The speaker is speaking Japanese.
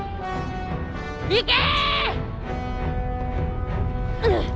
行け！